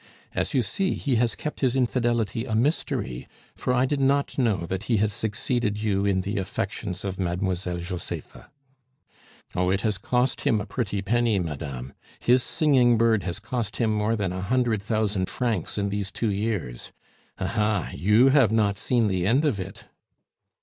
As you see, he has kept his infidelity a mystery, for I did not know that he had succeeded you in the affections of Mademoiselle Josepha " "Oh, it has cost him a pretty penny, madame. His singing bird has cost him more than a hundred thousand francs in these two years. Ah, ha! you have not seen the end of it!"